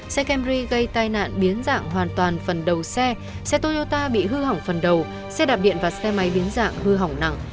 xe camry gây tai nạn biến dạng hoàn toàn phần đầu xe xe toyota bị hư hỏng phần đầu xe đạp điện và xe máy biến dạng hư hỏng nặng